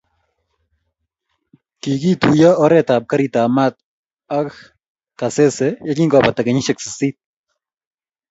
kikituiyo oret ab garit ab maat ak Kasese yekingopata kenyishek sisit